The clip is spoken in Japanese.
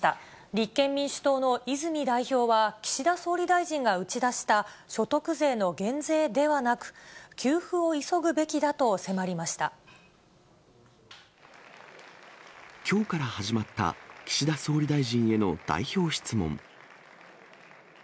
立憲民主党の泉代表は岸田総理大臣が打ち出した所得税の減税ではなく、給付を急ぐべきだと迫きょうから始まった、岸田総理大臣への代表質問。